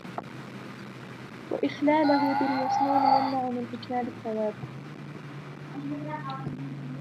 وَإِخْلَالَهُ بِالْمَسْنُونِ يَمْنَعُ مِنْ إكْمَالِ الثَّوَابِ